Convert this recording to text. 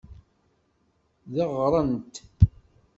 Deɣrent.